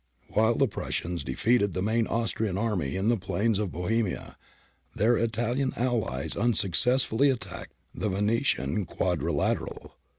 While the Prussians defeated the main Austrian army in the plains of Bohemia, their Italian allies un successfully attacked the Venetian quadrilateral.